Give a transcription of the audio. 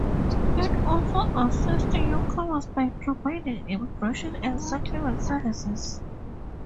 It also assists newcomers by providing immigration and settlement services.